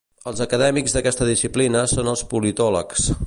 Els acadèmics d'aquesta disciplina són els politòlegs.